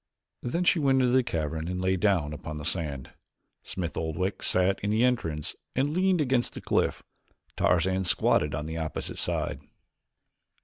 Then she went into the cavern and lay down upon the sand. Smith Oldwick sat in the entrance and leaned against the cliff. Tarzan squatted on the opposite side.